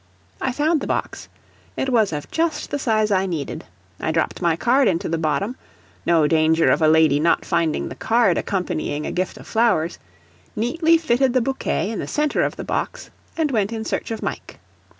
I found the box it was of just the size I needed. I dropped my card into the bottom, no danger of a lady not finding the card accompanying a gift of flowers, neatly fitted the bouquet in the center of the box, and went in search of Mike.